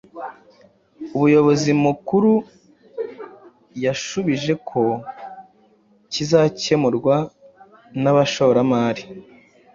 Umuyobzi Mukuru yashubije ko kizakemurwa n’abashoramari